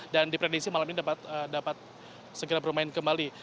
dan diprediksi malam ini dapat segera bermain kembali